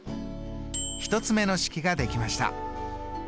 １つ目の式ができました。